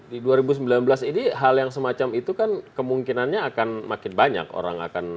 di dua ribu sembilan belas ini hal yang semacam itu kan kemungkinannya akan makin banyak orang akan